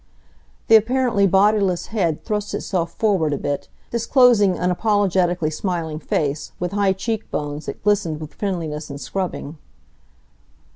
The apparently bodiless head thrust itself forward a bit, disclosing an apologetically smiling face, with high check bones that glistened with friendliness and scrubbing.